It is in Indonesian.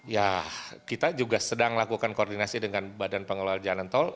ya kita juga sedang lakukan koordinasi dengan badan pengelola jalan tol